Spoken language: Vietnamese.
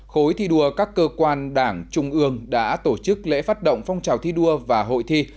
khối thi đua các cơ quan đảng trung ương đã tổ chức lễ phát động phong trào thi đua và hội thi